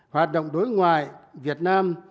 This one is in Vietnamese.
hoạt động đối ngoại việt nam